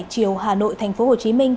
chiều hà nội tp hcm